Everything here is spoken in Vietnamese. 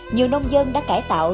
nhiều nông dân đã cải tạo